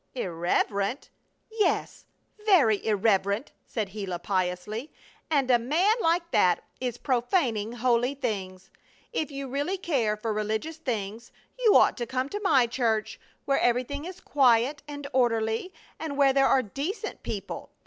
"Irreverent?" "Yes! Very irreverent!" said Gila, piously. "And a man like that is profaning holy things. If you really care for religious things you ought to come to my church, where everything is quiet and orderly and where there are decent people.